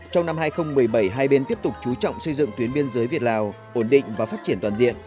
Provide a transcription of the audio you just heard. trong năm hai nghìn một mươi bảy hai bên tiếp tục chú trọng xây dựng tuyến biên giới việt lào ổn định và phát triển toàn diện